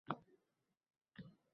Hilpirayver millat g‘ururi